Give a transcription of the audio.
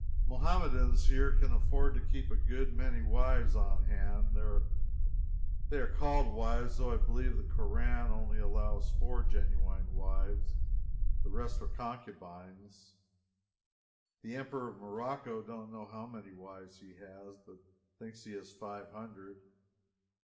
Muhammadans here who can afford it keep a good many wives on hand. They are called wives, though I believe the Koran only allows four genuine wives the rest are concubines. The Emperor of Morocco don't know how many wives he has, but thinks he has five hundred.